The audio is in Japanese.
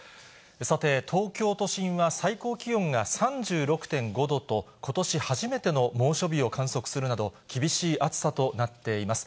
さて、東京都心は最高気温が３６．５度と、ことし初めての猛暑日を観測するなど、厳しい暑さとなっています。